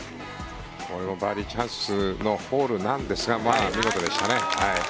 これもバーディーチャンスのホールなんですが見事でしたね。